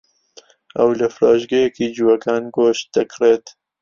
ئەو لە فرۆشگەیەکی جووەکان گۆشت دەکڕێت.